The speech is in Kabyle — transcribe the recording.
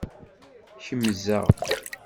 Kemzeɣ.